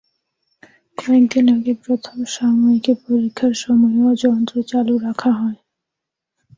কয়েক দিন আগে প্রথম সাময়িকী পরীক্ষার সময়ও যন্ত্র চালু রাখা হয়।